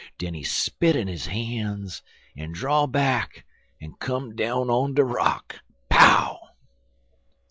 Den he spit in his han's en draw back en come down on de rock pow!"